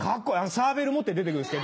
サーベル持って出て来るんです。